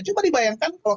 coba dibayangkan kalau